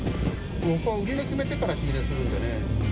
僕は売値決めてから仕入れするんでね。